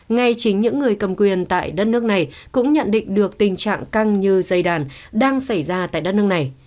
ngay chính những người cầm quyền tại đất nước này cũng nhận định được tình trạng căng như dây đàn đang xảy ra tại đất nước này